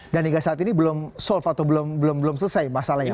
dan hingga saat ini belum solve atau belum selesai masalah yang